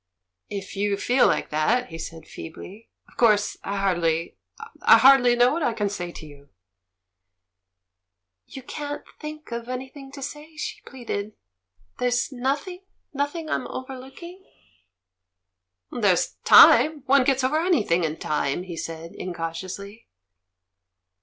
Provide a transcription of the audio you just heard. "If you feel like that," he said feebly, "of 256 THE MAN WHO UNDERSTOOD WOMEN course I hardly — I hardly know what I can say to you." "You can't tJiinJi: of anything to say?" she pleaded. "There's nothing — nothing I'm over looking?" "There's time; one gets over anything in time," he said, incautiously.